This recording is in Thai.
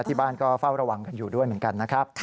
ที่บ้านก็เฝ้าระวังกันอยู่ด้วยเหมือนกันนะครับ